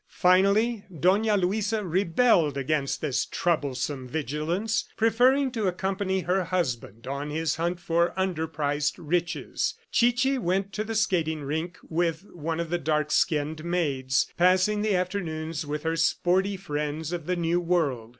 Finally Dona Luisa rebelled against this troublesome vigilance, preferring to accompany her husband on his hunt for underpriced riches. Chichi went to the skating rink with one of the dark skinned maids, passing the afternoons with her sporty friends of the new world.